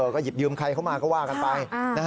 ก็หยิบยืมใครเข้ามาก็ว่ากันไป